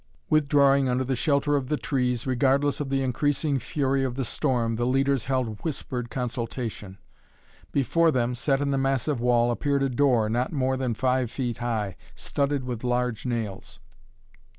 Withdrawing under the shelter of the trees, regardless of the increasing fury of the storm, the leaders held whispered consultation. Before them, set in the massive wall, appeared a door not more than five feet high, studded with large nails.